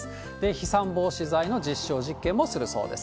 飛散防止剤の実証実験もするそうです。